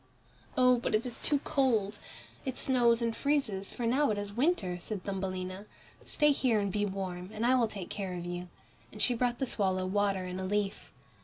"Oh! but it is too cold, it snows and freezes, for now it is winter," said Thumbelina. "Stay here and be warm, and I will take care of you," and she brought the swallow water in a leaf.